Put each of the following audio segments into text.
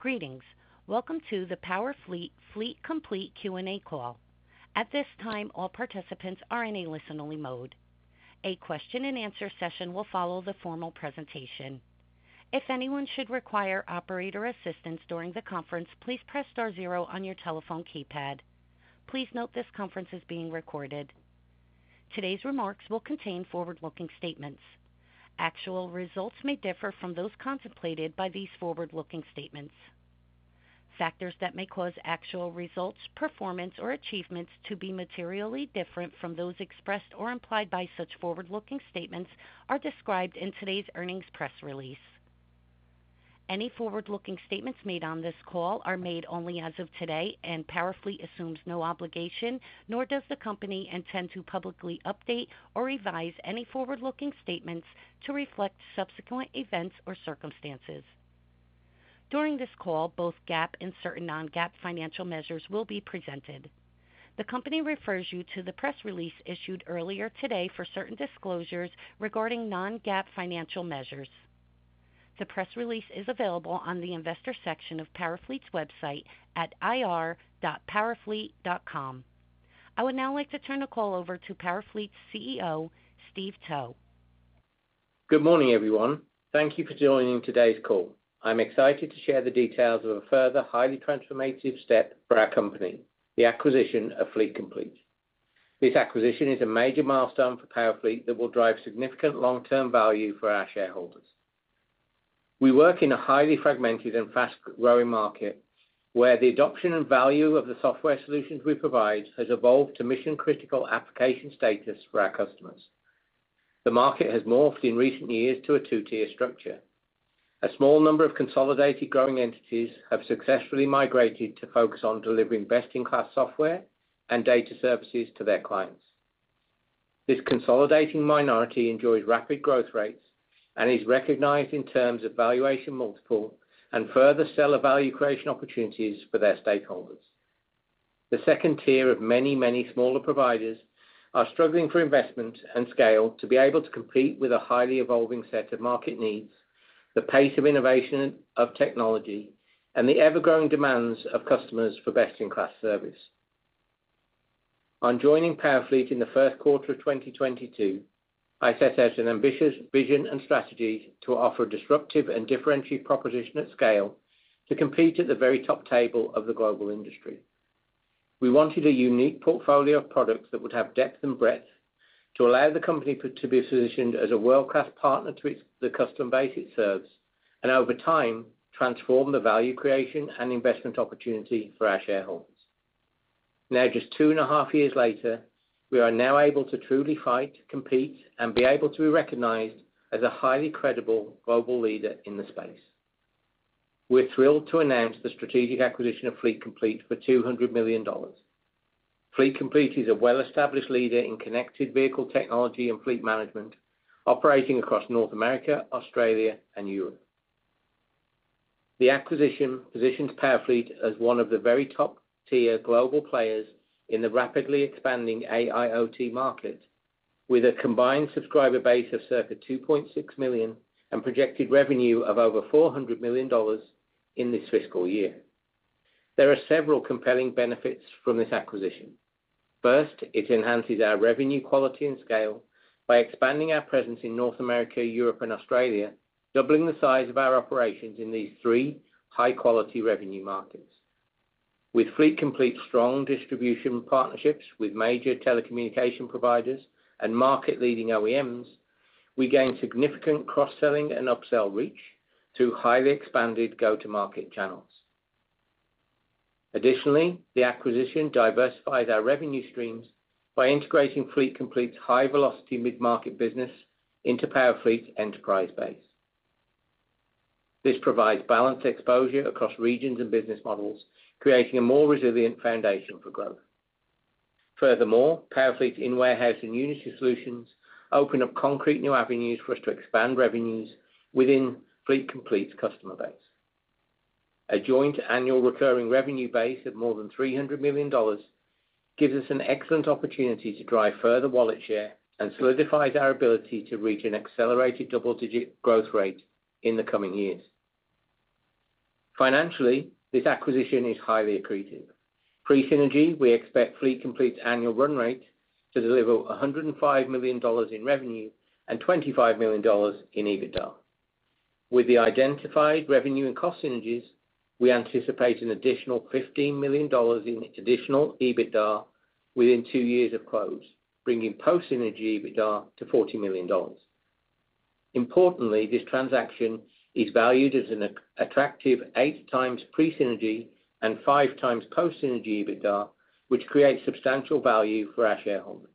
Greetings. Welcome to the Powerfleet, Fleet Complete Q&A call. At this time, all participants are in a listen-only mode. A question and answer session will follow the formal presentation. If anyone should require operator assistance during the conference, please press* zero on your telephone keypad. Please note this conference is being recorded. Today's remarks will contain forward-looking statements. Actual results may differ from those contemplated by these forward-looking statements. Factors that may cause actual results, performance, or achievements to be materially different from those expressed or implied by such forward-looking statements are described in today's earnings press release. Any forward-looking statements made on this call are made only as of today, and Powerfleet assumes no obligation, nor does the company intend to publicly update or revise any forward-looking statements to reflect subsequent events or circumstances. During this call, both GAAP and certain non-GAAP financial measures will be presented. The company refers you to the press release issued earlier today for certain disclosures regarding non-GAAP financial measures. The press release is available on the investor section of Powerfleet's website at ir.powerfleet.com. I would now like to turn the call over to Powerfleet's CEO, Steve Towe. Good morning, everyone. Thank you for joining today's call. I'm excited to share the details of a further highly transformative step for our company, the acquisition of Fleet Complete. This acquisition is a major milestone for Powerfleet that will drive significant long-term value for our shareholders. We work in a highly fragmented and fast-growing market, where the adoption and value of the software solutions we provide has evolved to mission-critical application status for our customers. The market has morphed in recent years to a two-tier structure. A small number of consolidated growing entities have successfully migrated to focus on delivering best-in-class software and data services to their clients. This consolidating minority enjoys rapid growth rates and is recognized in terms of valuation, multiple, and further seller value creation opportunities for their stakeholders. The second tier of many, many smaller providers are struggling for investment and scale to be able to compete with a highly evolving set of market needs, the pace of innovation of technology, and the ever-growing demands of customers for best-in-class service. On joining Powerfleet in the Q1 of twenty twenty-two, I set out an ambitious vision and strategy to offer a disruptive and differentiated proposition at scale to compete at the very top table of the global industry. We wanted a unique portfolio of products that would have depth and breadth to allow the company to be positioned as a world-class partner to its customer base it serves, and over time, transform the value creation and investment opportunity for our shareholders. Now, just two and a half years later, we are now able to truly fight, compete, and be able to be recognized as a highly credible global leader in the space. We're thrilled to announce the strategic acquisition of Fleet Complete for $200 million. Fleet Complete is a well-established leader in connected vehicle technology and fleet management, operating across North America, Australia, and Europe. The acquisition positions Powerfleet as one of the very top-tier global players in the rapidly expanding AIoT market, with a combined subscriber base of circa 2.6 million and projected revenue of over $400 million in this fiscal year. There are several compelling benefits from this acquisition. First, it enhances our revenue quality and scale by expanding our presence in North America, Europe, and Australia, doubling the size of our operations in these three high-quality revenue markets. With Fleet Complete strong distribution partnerships with major telecommunication providers and market-leading OEMs, we gain significant cross-selling and upsell reach through highly expanded go-to-market channels. Additionally, the acquisition diversifies our revenue streams by integrating Fleet Complete high-velocity mid-market business into Powerfleet enterprise base. This provides balanced exposure across regions and business models, creating a more resilient foundation for growth. Furthermore, Powerfleet's In-Warehouse and Unity solutions open up concrete new avenues for us to expand revenues within Fleet Complete customer base. A joint annual recurring revenue base of more than $300 million gives us an excellent opportunity to drive further wallet share and solidifies our ability to reach an accelerated double-digit growth rate in the coming years. Financially, this acquisition is highly accretive. Pre-synergy, we expect Fleet Complete annual run rate to deliver $105 million in revenue and $25 million in EBITDA. With the identified revenue and cost synergies, we anticipate an additional $15 million in additional EBITDA within two years of close, bringing post-synergy EBITDA to $40 million. Importantly, this transaction is valued as an attractive eight times pre-synergy and five times post-synergy EBITDA, which creates substantial value for our shareholders.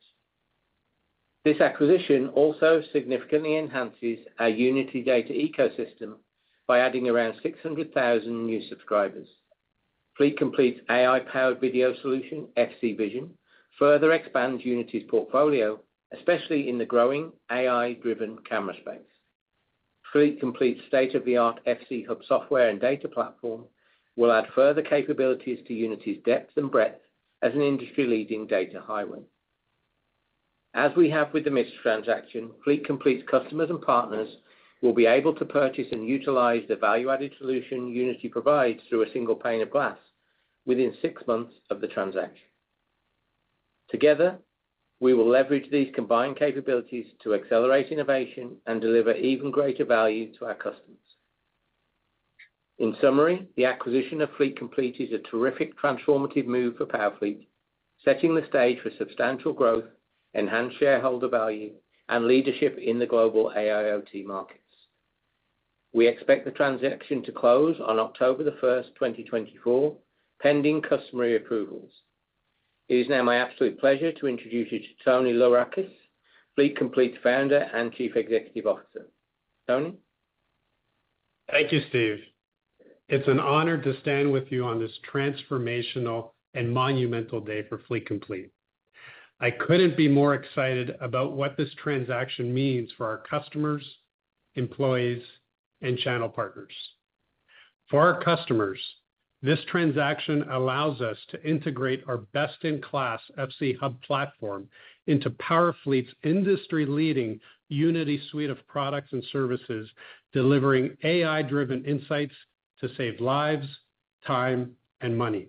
This acquisition also significantly enhances our Unity data ecosystem by adding around 600,000 new subscribers. Fleet Complete's AI-powered video solution, FC Vision, further expands Unity's portfolio, especially in the growing AI-driven camera space. Fleet Complete's state-of-the-art FC Hub software and data platform will add further capabilities to Unity's depth and breadth as an industry-leading data highway.... as we have with the MiX transaction, Fleet Complete's customers and partners will be able to purchase and utilize the value-added solution Unity provides through a single pane of glass within six months of the transaction. Together, we will leverage these combined capabilities to accelerate innovation and deliver even greater value to our customers. In summary, the acquisition of Fleet Complete is a terrific transformative move for Powerfleet, setting the stage for substantial growth, enhanced shareholder value, and leadership in the global AIoT markets. We expect the transaction to close on October the first, 2024, pending customary approvals. It is now my absolute pleasure to introduce you to Tony Lourakis, Fleet Complete Founder and Chief Executive Officer. Tony? Thank you, Steve. It's an honor to stand with you on this transformational and monumental day for Fleet Complete. I couldn't be more excited about what this transaction means for our customers, employees, and channel partners. For our customers, this transaction allows us to integrate our best-in-class FC Hub platform into Powerfleet's industry-leading Unity suite of products and services, delivering AI-driven insights to save lives, time, and money.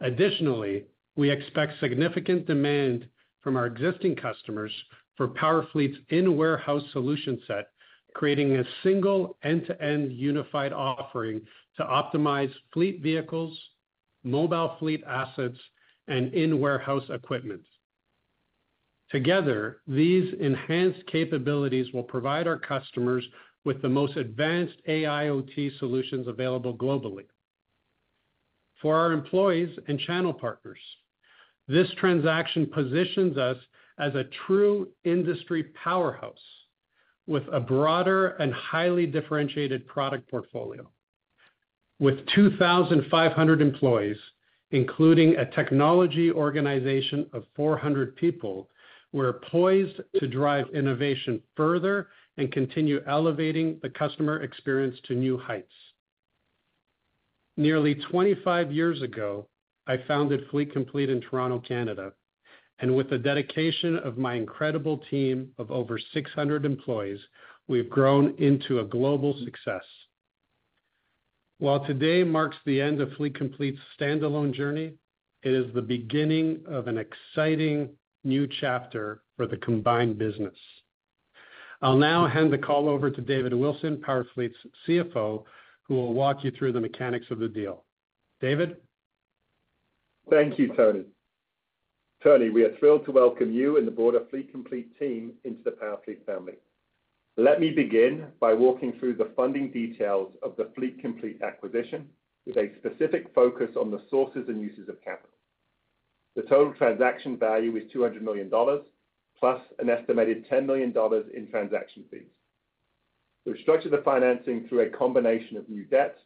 Additionally, we expect significant demand from our existing customers for Powerfleet's In-Warehouse solution set, creating a single end-to-end unified offering to optimize fleet vehicles, mobile fleet assets, and in-warehouse equipment. Together, these enhanced capabilities will provide our customers with the most advanced AIoT solutions available globally. For our employees and channel partners, this transaction positions us as a true industry powerhouse with a broader and highly differentiated product portfolio. With 2,500 employees, including a technology organization of 400 people, we're poised to drive innovation further and continue elevating the customer experience to new heights. Nearly 25 years ago, I founded Fleet Complete in Toronto, Canada, and with the dedication of my incredible team of over 600 employees, we've grown into a global success. While today marks the end of Fleet Complete's standalone journey, it is the beginning of an exciting new chapter for the combined business. I'll now hand the call over to David Wilson, Powerfleet's CFO, who will walk you through the mechanics of the deal. David? Thank you, Tony. Tony, we are thrilled to welcome you and the broader Fleet Complete team into the Powerfleet family. Let me begin by walking through the funding details of the Fleet Complete acquisition, with a specific focus on the sources and uses of capital. The total transaction value is $200 million, plus an estimated $10 million in transaction fees. We've structured the financing through a combination of new debt,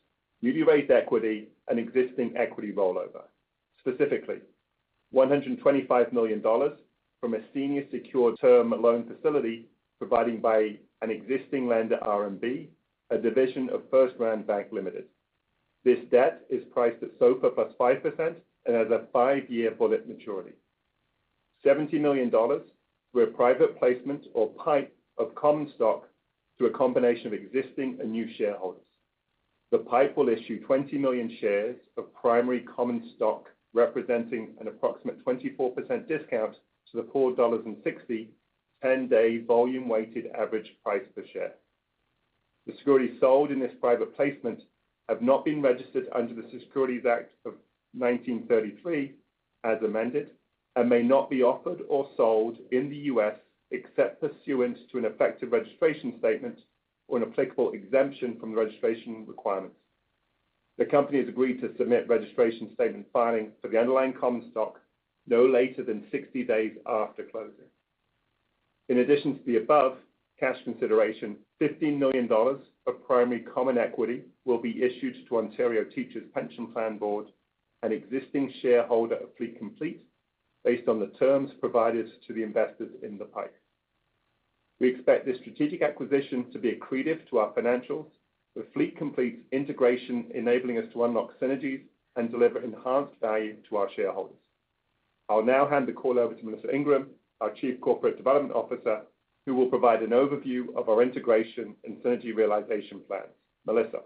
newly raised equity, and existing equity rollover. Specifically, $125 million from a senior secured term loan facility provided by an existing lender, RMB, a division of FirstRand Bank Limited. This debt is priced at SOFR plus 5% and has a five-year bullet maturity. $70 million through a private placement or PIPE of common stock to a combination of existing and new shareholders. The PIPE will issue twenty million shares of primary common stock, representing an approximate 24% discount to the $4.60 ten-day volume weighted average price per share. The securities sold in this private placement have not been registered under the Securities Act of 1933, as amended, and may not be offered or sold in the U.S. except pursuant to an effective registration statement or an applicable exemption from the registration requirements. The company has agreed to submit registration statement filings for the underlying common stock no later than sixty days after closing. In addition to the above cash consideration, $15 million of primary common equity will be issued to Ontario Teachers' Pension Plan Board, an existing shareholder of Fleet Complete, based on the terms provided to the investors in the PIPE. We expect this strategic acquisition to be accretive to our financials, with Fleet Complete's integration enabling us to unlock synergies and deliver enhanced value to our shareholders. I'll now hand the call over to Melissa Ingram, our Chief Corporate Development Officer, who will provide an overview of our integration and synergy realization plans. Melissa?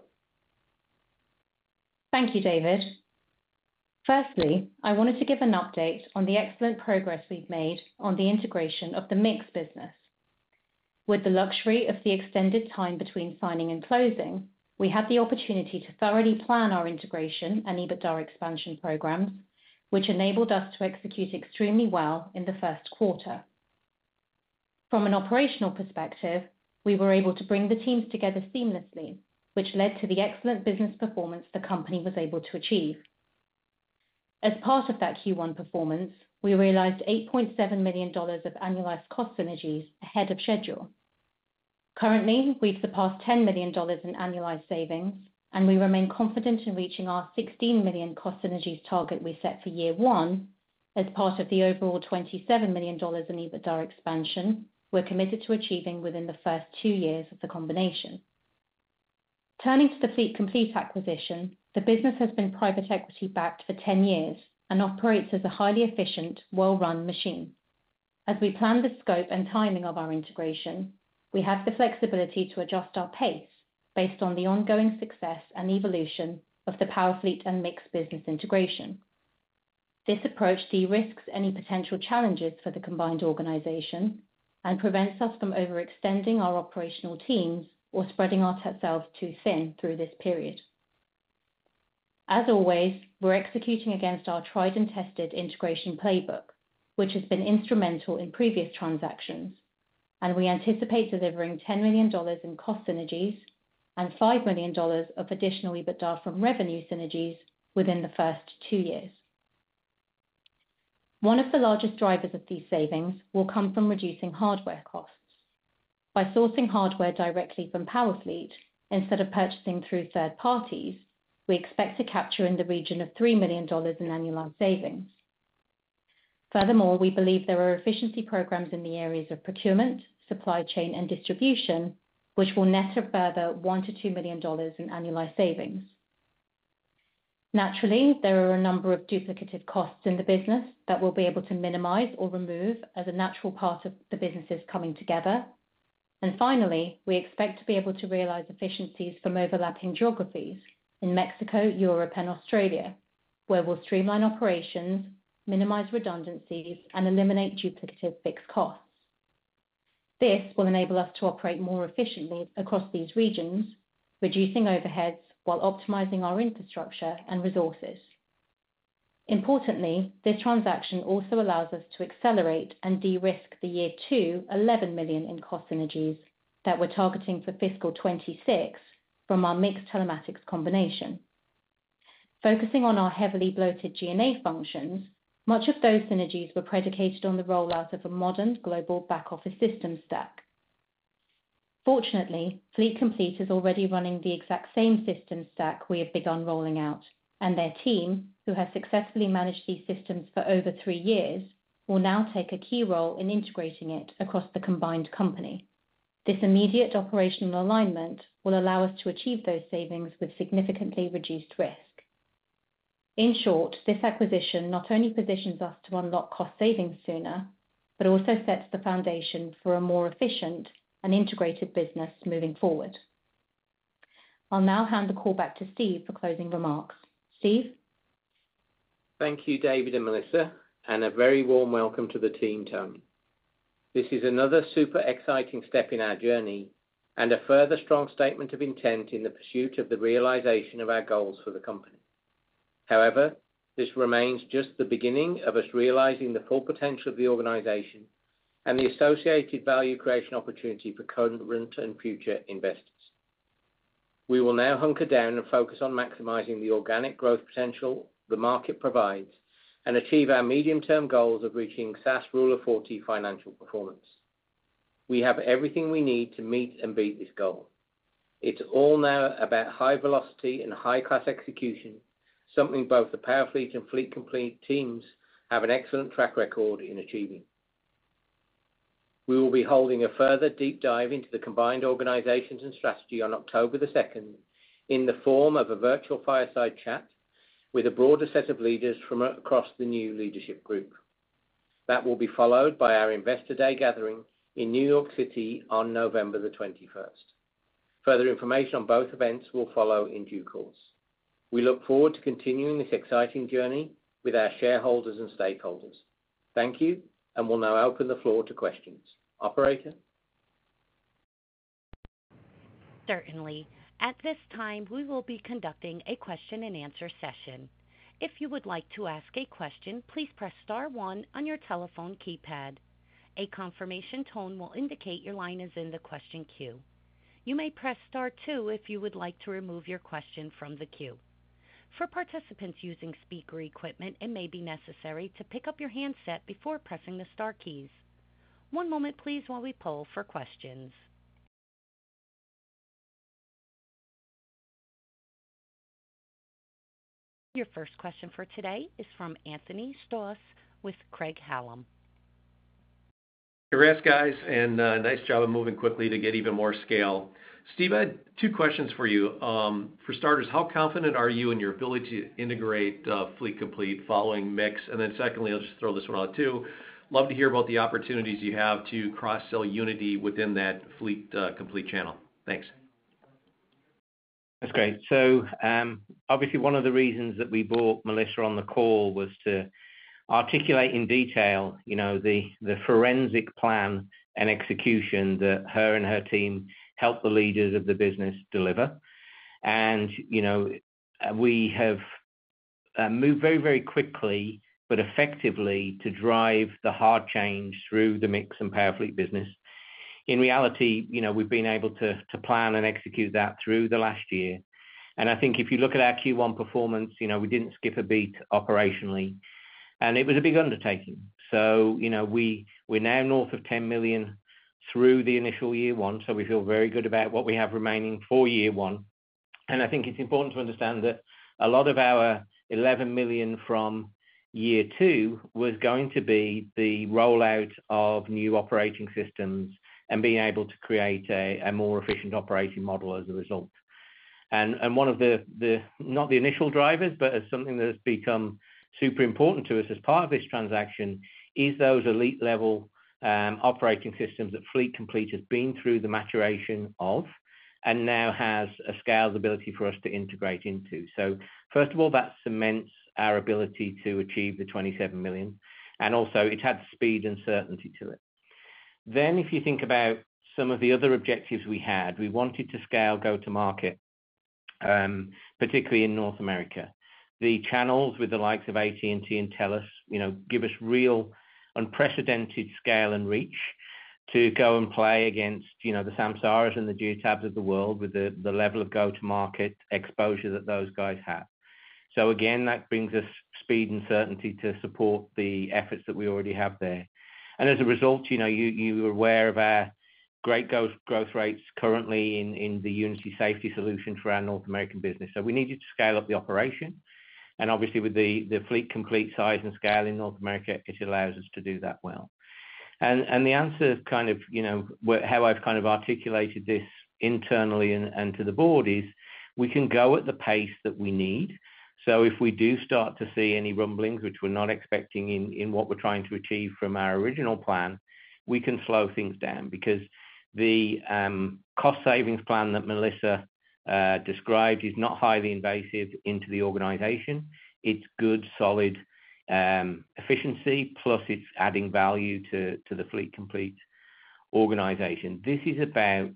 Thank you, David. Firstly, I wanted to give an update on the excellent progress we've made on the integration of the MiX business. With the luxury of the extended time between signing and closing, we had the opportunity to thoroughly plan our integration and EBITDA expansion programs, which enabled us to execute extremely well in the Q1. From an operational perspective, we were able to bring the teams together seamlessly, which led to the excellent business performance the company was able to achieve. As part of that Q1 performance, we realized $8.7 million of annualized cost synergies ahead of schedule. Currently, we've surpassed $10 million in annualized savings, and we remain confident in reaching our $16 million cost synergies target we set for year one as part of the overall $27 million in EBITDA expansion we're committed to achieving within the first two years of the combination. Turning to the Fleet Complete acquisition, the business has been private equity backed for 10 years and operates as a highly efficient, well-run machine. As we plan the scope and timing of our integration, we have the flexibility to adjust our pace based on the ongoing success and evolution of the Powerfleet and MiX business integration. This approach de-risks any potential challenges for the combined organization and prevents us from overextending our operational teams or spreading ourselves too thin through this period. As always, we're executing against our tried and tested integration playbook, which has been instrumental in previous transactions, and we anticipate delivering $10 million in cost synergies and $5 million of additional EBITDA from revenue synergies within the first two years. One of the largest drivers of these savings will come from reducing hardware costs. By sourcing hardware directly from Powerfleet instead of purchasing through third parties, we expect to capture in the region of $3 million in annualized savings. Furthermore, we believe there are efficiency programs in the areas of procurement, supply chain, and distribution, which will net a further $1-$2 million in annualized savings. Naturally, there are a number of duplicated costs in the business that we'll be able to minimize or remove as a natural part of the businesses coming together. Finally, we expect to be able to realize efficiencies from overlapping geographies in Mexico, Europe, and Australia, where we'll streamline operations, minimize redundancies, and eliminate duplicative fixed costs. This will enable us to operate more efficiently across these regions, reducing overheads while optimizing our infrastructure and resources. Importantly, this transaction also allows us to accelerate and de-risk the year-two $11 million in cost synergies that we're targeting for fiscal 2026 from our MiX Telematics combination. Focusing on our heavily bloated G&A functions, much of those synergies were predicated on the rollout of a modern global back office system stack. Fortunately, Fleet Complete is already running the exact same system stack we have begun rolling out, and their team, who has successfully managed these systems for over three years, will now take a key role in integrating it across the combined company. This immediate operational alignment will allow us to achieve those savings with significantly reduced risk. In short, this acquisition not only positions us to unlock cost savings sooner, but also sets the foundation for a more efficient and integrated business moving forward. I'll now hand the call back to Steve for closing remarks. Steve? Thank you, David and Melissa, and a very warm welcome to the team, Tony. This is another super exciting step in our journey and a further strong statement of intent in the pursuit of the realization of our goals for the company. However, this remains just the beginning of us realizing the full potential of the organization and the associated value creation opportunity for current and future investors. We will now hunker down and focus on maximizing the organic growth potential the market provides, and achieve our medium-term goals of reaching SaaS Rule of 40 financial performance. We have everything we need to meet and beat this goal. It's all now about high velocity and high-class execution, something both the Powerfleet and Fleet Complete teams have an excellent track record in achieving. We will be holding a further deep dive into the combined organizations and strategy on October the second, in the form of a virtual fireside chat with a broader set of leaders from across the new leadership group. That will be followed by our Investor Day gathering in New York City on November the twenty-first. Further information on both events will follow in due course. We look forward to continuing this exciting journey with our shareholders and stakeholders. Thank you, and we'll now open the floor to questions. Operator? Certainly. At this time, we will be conducting a question and answer session. If you would like to ask a question, please press* one on your telephone keypad. A confirmation tone will indicate your line is in the question queue. You may press* two if you would like to remove your question from the queue. For participants using speaker equipment, it may be necessary to pick up your handset before pressing the star keys. One moment, please, while we poll for questions. Your first question for today is from Anthony Stoss with Craig-Hallum. Congrats, guys, and nice job of moving quickly to get even more scale. Steve, I had two questions for you. For starters, how confident are you in your ability to integrate Fleet Complete following MiX? And then secondly, I'll just throw this one out, too. Love to hear about the opportunities you have to cross-sell Unity within that Fleet Complete channel. Thanks. That's great. So, obviously one of the reasons that we brought Melissa on the call was to articulate in detail, you know, the forensic plan and execution that her and her team helped the leaders of the business deliver. And, you know, we have moved very, very quickly but effectively to drive the hard change through the MiX and Powerfleet business. In reality, you know, we've been able to plan and execute that through the last year. And I think if you look at our Q1 performance, you know, we didn't skip a beat operationally, and it was a big undertaking. So, you know, we, we're now north of $10 million through the initial year one, so we feel very good about what we have remaining for year one. I think it's important to understand that a lot of our $11 million from year two was going to be the rollout of new operating systems and being able to create a more efficient operating model as a result. And one of the not the initial drivers, but as something that has become super important to us as part of this transaction, is those elite level operating systems that Fleet Complete has been through the maturation of, and now has a scalability for us to integrate into. So first of all, that cements our ability to achieve the $27 million, and also it adds speed and certainty to it. Then if you think about some of the other objectives we had, we wanted to scale go-to-market, particularly in North America. The channels with the likes of AT&T and TELUS, you know, give us real unprecedented scale and reach to go and play against, you know, the Samsaras and the Geotabs of the world, with the level of go-to-market exposure that those guys have. So again, that brings us speed and certainty to support the efforts that we already have there. And as a result, you know, you're aware of our great growth rates currently in the Unity safety solution for our North American business. So we needed to scale up the operation, and obviously with the Fleet Complete size and scale in North America, it allows us to do that well. The answer kind of, you know, how I've kind of articulated this internally and to the board is, we can go at the pace that we need. So if we do start to see any rumblings, which we're not expecting in what we're trying to achieve from our original plan, we can slow things down. Because the cost savings plan that Melissa described is not highly invasive into the organization. It's good, solid efficiency, plus it's adding value to the Fleet Complete organization. This is about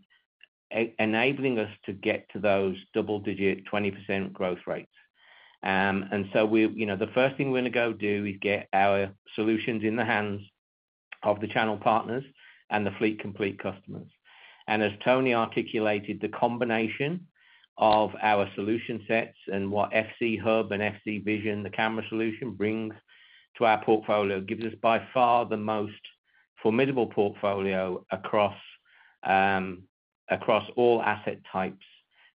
enabling us to get to those double-digit, 20% growth rates. And so we... You know, the first thing we're gonna go do is get our solutions in the hands of the channel partners and the Fleet Complete customers. As Tony articulated, the combination of our solution sets and what FC Hub and FC Vision, the camera solution, brings to our portfolio, gives us by far the most formidable portfolio across across all asset types: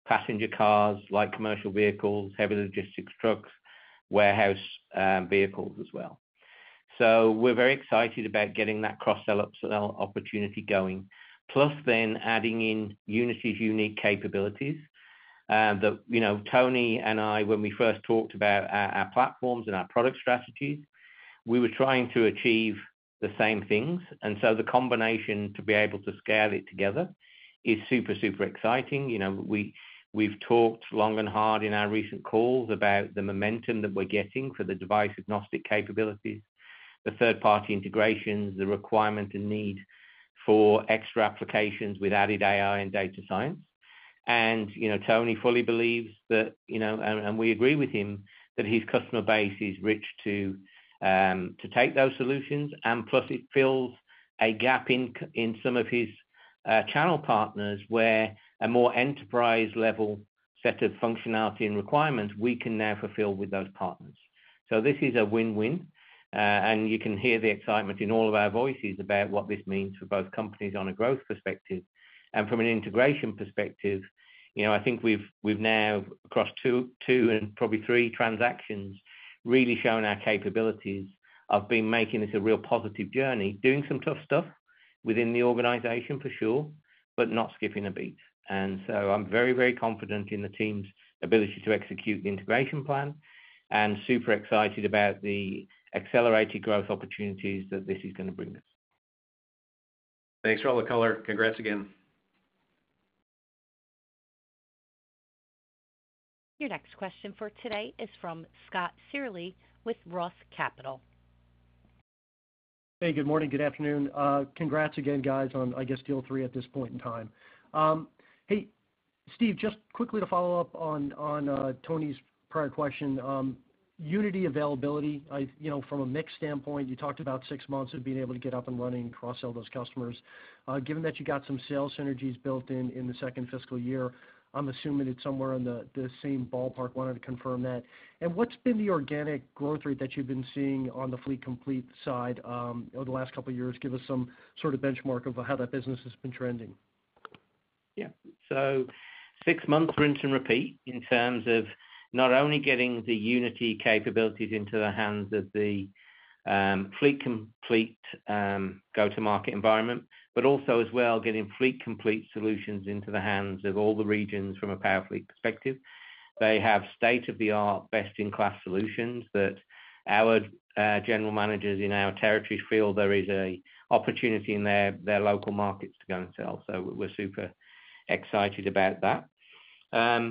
passenger cars, light commercial vehicles, heavy logistics trucks, warehouse vehicles as well. So we're very excited about getting that cross-sell upside opportunity going. Plus then adding in Unity's unique capabilities, that, you know, Tony and I, when we first talked about our platforms and our product strategies, we were trying to achieve the same things. And so the combination to be able to scale it together is super, super exciting. You know, we, we've talked long and hard in our recent calls about the momentum that we're getting for the device-agnostic capabilities, the third-party integrations, the requirement and need for extra applications with added AI and data science. You know, Tony fully believes that, you know, and we agree with him, that his customer base is rich to take those solutions, and plus it fills a gap in some of his channel partners, where a more enterprise-level set of functionality and requirements, we can now fulfill with those partners. This is a win-win, and you can hear the excitement in all of our voices about what this means for both companies on a growth perspective. From an integration perspective, you know, I think we've now, across two and probably three transactions, really shown our capabilities of being making this a real positive journey, doing some tough stuff within the organization for sure, but not skipping a beat. And so I’m very, very confident in the team’s ability to execute the integration plan, and super excited about the accelerated growth opportunities that this is gonna bring us. Thanks for all the color. Congrats again. Your next question for today is from Scott Searle, with Roth MKM. Hey, good morning, good afternoon. Congrats again, guys, on, I guess, deal three at this point in time. Hey, Steve, just quickly to follow up on, on, Tony's prior question. Unity availability, you know, from a MiX standpoint, you talked about six months of being able to get up and running, cross-sell those customers. Given that you got some sales synergies built in in the second fiscal year, I'm assuming it's somewhere in the, the same ballpark. Wanted to confirm that. And what's been the organic growth rate that you've been seeing on the Fleet Complete side, over the last couple of years? Give us some sort of benchmark of how that business has been trending. Yeah. So six months, rinse and repeat, in terms of not only getting the Unity capabilities into the hands of the Fleet Complete go-to-market environment, but also as well, getting Fleet Complete solutions into the hands of all the regions from a Powerfleet perspective. They have state-of-the-art, best-in-class solutions that our general managers in our territories feel there is an opportunity in their local markets to go and sell. So we're super excited about that.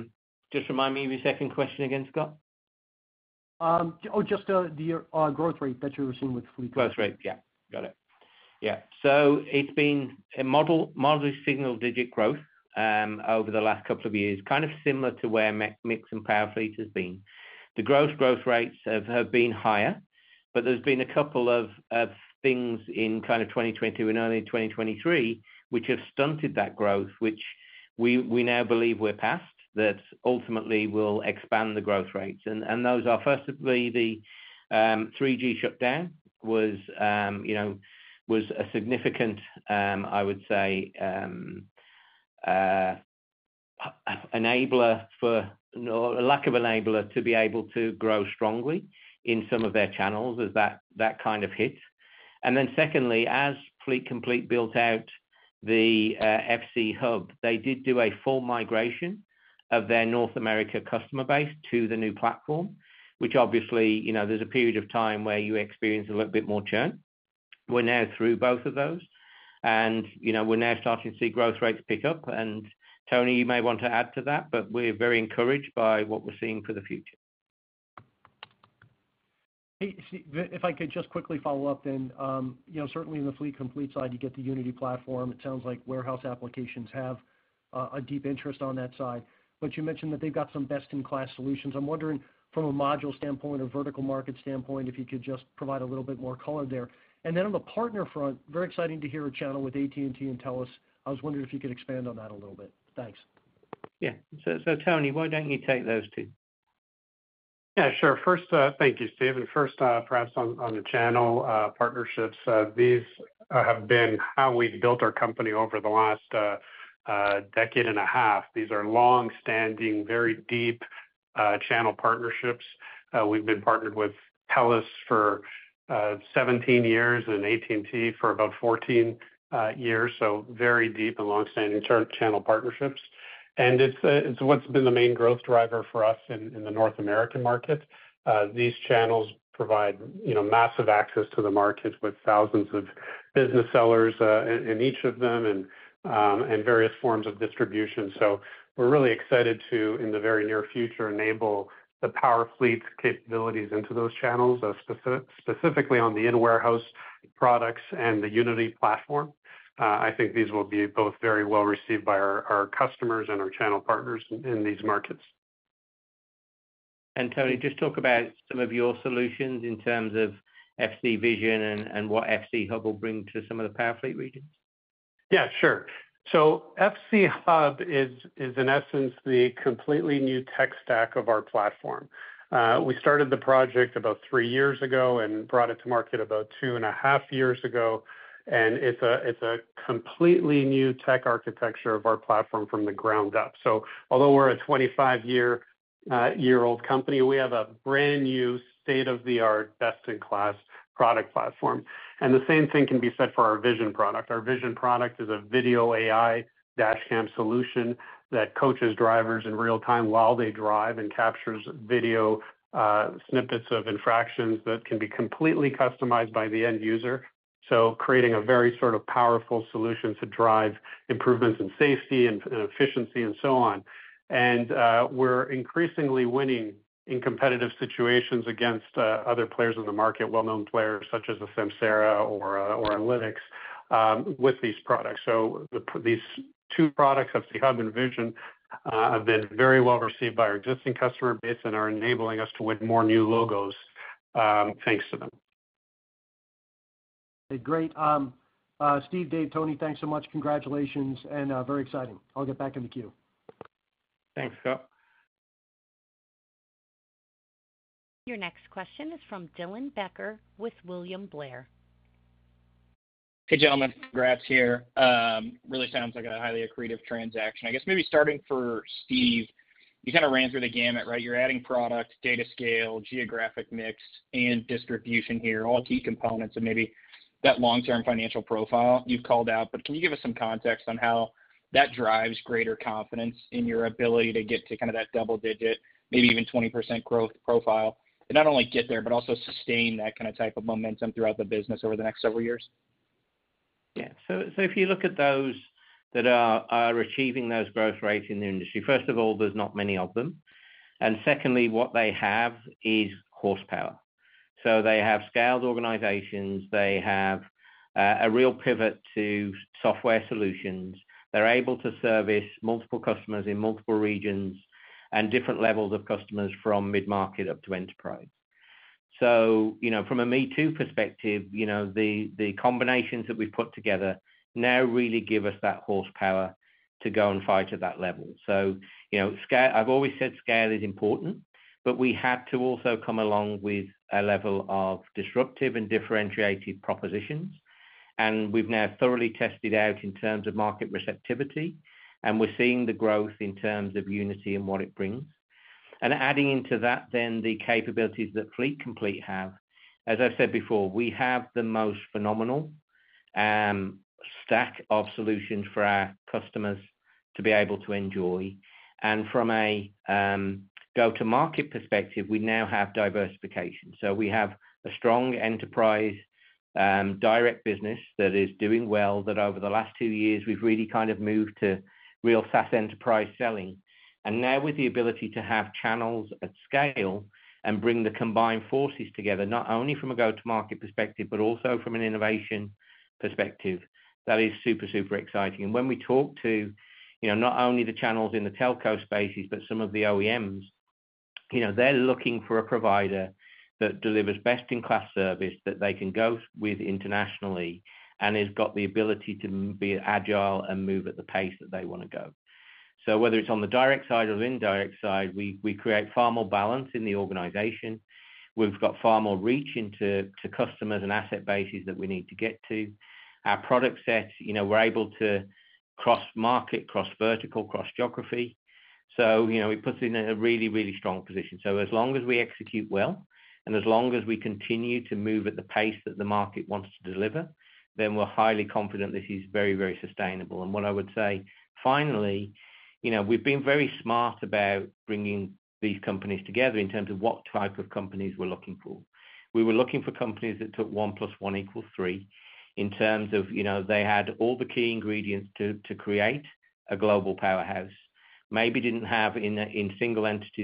Just remind me of your second question again, Scott? Oh, just the growth rate that you were seeing with Fleet Complete. Growth rate. Yeah, got it. Yeah. So it's been a model, moderately single digit growth over the last couple of years, kind of similar to where MiX and Powerfleet has been. The growth rates have been higher, but there's been a couple of things in kind of 2022 and early 2023, which have stunted that growth, which we now believe we're past, that ultimately will expand the growth rates. And those are, firstly, the 3G shutdown was, you know, a significant enabler for. Or a lack of enabler to be able to grow strongly in some of their channels as that kind of hit. And then secondly, as Fleet Complete built out-... FC Hub, they did do a full migration of their North America customer base to the new platform, which obviously, you know, there's a period of time where you experience a little bit more churn. We're now through both of those, and, you know, we're now starting to see growth rates pick up, and Tony, you may want to add to that, but we're very encouraged by what we're seeing for the future. Hey, Steve, if I could just quickly follow up then, you know, certainly in the Fleet Complete side, you get the Unity platform. It sounds like warehouse applications have a deep interest on that side. But you mentioned that they've got some best-in-class solutions. I'm wondering from a module standpoint or vertical market standpoint, if you could just provide a little bit more color there. And then on the partner front, very exciting to hear a channel with AT&T and TELUS. I was wondering if you could expand on that a little bit. Thanks. Yeah. So, so Tony, why don't you take those two? Yeah, sure. First, thank you, Steve, and first, perhaps on the channel partnerships. These have been how we've built our company over the last decade and a half. These are long-standing, very deep channel partnerships. We've been partnered with Telus for 17 years and AT&T for about 14 years, so very deep and long-standing channel partnerships. And it's what's been the main growth driver for us in the North American market. These channels provide, you know, massive access to the market with thousands of business sellers in each of them and various forms of distribution. So we're really excited to, in the very near future, enable the Powerfleet capabilities into those channels, specifically on the in-warehouse products and the Unity platform. I think these will be both very well received by our customers and our channel partners in these markets. Tony, just talk about some of your solutions in terms of FC Vision and what FCHub will bring to some of the Powerfleet regions. Yeah, sure. So FC Hub is in essence the completely new tech stack of our platform. We started the project about three years ago and brought it to market about two and a half years ago, and it's a completely new tech architecture of our platform from the ground up. So although we're a twenty-five-year-old company, we have a brand new state-of-the-art, best-in-class product platform. And the same thing can be said for our FC Vision product. Our FC Vision product is a video AI dashcam solution that coaches drivers in real time while they drive and captures video snippets of infractions that can be completely customized by the end user. So creating a very sort of powerful solution to drive improvements in safety and efficiency and so on. We're increasingly winning in competitive situations against other players in the market, well-known players such as Samsara or Lytx, with these products. These two products, FC Hub and Vision, have been very well received by our existing customer base and are enabling us to win more new logos, thanks to them. Great. Steve, Dave, Tony, thanks so much. Congratulations, and very exciting. I'll get back in the queue. Thanks, Scott. Your next question is from Dylan Becker with William Blair. Hey, gentlemen. Congrats here. Really sounds like a highly accretive transaction. I guess maybe starting for Steve, you kind of ran through the gamut, right? You're adding product, data scale, geographic mix, and distribution here, all key components and maybe that long-term financial profile you've called out. But can you give us some context on how that drives greater confidence in your ability to get to kind of that double-digit, maybe even 20% growth profile? And not only get there, but also sustain that kind of type of momentum throughout the business over the next several years. Yeah. So if you look at those that are achieving those growth rates in the industry, first of all, there's not many of them. And secondly, what they have is horsepower. So they have scaled organizations. They have a real pivot to software solutions. They're able to service multiple customers in multiple regions and different levels of customers from mid-market up to enterprise. So you know, from a me-too perspective, you know, the combinations that we've put together now really give us that horsepower to go and fight at that level. So, you know, scale. I've always said scale is important, but we have to also come along with a level of disruptive and differentiated propositions. And we've now thoroughly tested out in terms of market receptivity, and we're seeing the growth in terms of Unity and what it brings. Adding into that, then the capabilities that Fleet Complete have. As I've said before, we have the most phenomenal stack of solutions for our customers to be able to enjoy. From a go-to-market perspective, we now have diversification. We have a strong enterprise direct business that is doing well, that over the last two years, we've really kind of moved to real SaaS enterprise selling. Now with the ability to have channels at scale and bring the combined forces together, not only from a go-to-market perspective, but also from an innovation perspective, that is super, super exciting. When we talk to, you know, not only the channels in the telco spaces, but some of the OEMs, you know, they're looking for a provider that delivers best-in-class service that they can go with internationally, and has got the ability to be agile and move at the pace that they wanna go. So whether it's on the direct side or the indirect side, we create far more balance in the organization. We've got far more reach into customers and asset bases that we need to get to. Our product set, you know, we're able to cross market, cross vertical, cross geography, so, you know, it puts us in a really, really strong position. So as long as we execute well, and as long as we continue to move at the pace that the market wants to deliver, then we're highly confident this is very, very sustainable. And what I would say, finally, you know, we've been very smart about bringing these companies together in terms of what type of companies we're looking for. We were looking for companies that took one plus one equals three, in terms of, you know, they had all the key ingredients to create a global powerhouse. Maybe didn't have in a single entities-